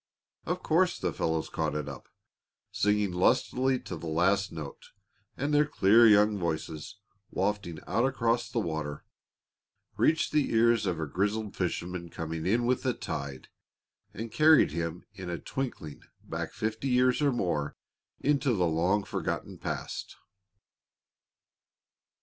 Of course the fellows caught it up, singing lustily to the last note, and their clear young voices, wafting out across the water, reached the ears of a grizzled fisherman coming in with the tide and carried him in a twinkling back fifty years or more into the long forgotten past.